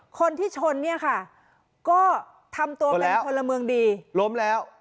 คนที่ชนเนี่ยค่ะก็ทำตัวเป็นพลเมืองดีล้มแล้ว